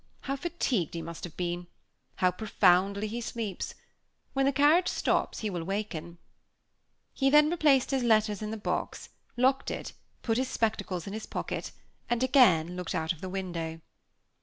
how fatigued he must have been how profoundly he sleeps! when the carriage stops he will waken." He then replaced his letters in the box box, locked it, put his spectacles in his pocket, and again looked out of the window.